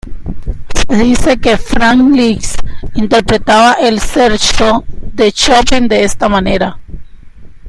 Se dice que Franz Liszt interpretaba el Scherzo de Chopin de esta manera.